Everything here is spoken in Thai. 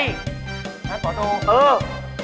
นะตอนนี้อ่ะพ่อดูอืม